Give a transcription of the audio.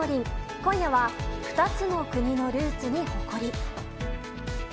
今夜は、２つの国のルーツに誇り。